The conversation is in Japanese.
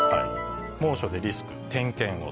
猛暑でリスク、点検を。